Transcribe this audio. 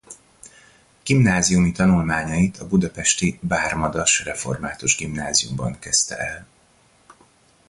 Gimnáziumi tanulmányait a budapesti Baár–Madas Református Gimnáziumban kezdte el.